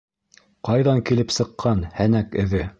— Ҡайҙан килеп сыҡҡан һәнәк эҙе?